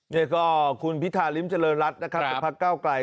นี่ก็คุณพิธาริมเจริญรัฐภักดิ์เก้าไกร